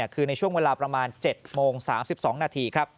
คือในช่วงเวลาประมาณ๗โมง๓๒นาทีครับ